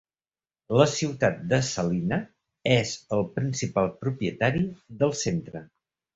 La ciutat de Salina és el principal propietari del centre.